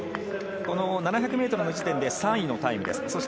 ７００ｍの時点で３位のタイムです。